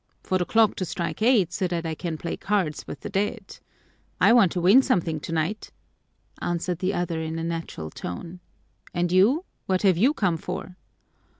"For the clock to strike eight so that I can play cards with the dead. I want to win something tonight," answered the other in a natural tone. "And you, what have you come for?"